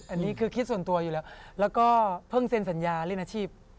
อันนี้คือคิดส่วนตัวอยู่แล้วแล้วก็เพิ่งเซ็นสัญญาเล่นอาชีพ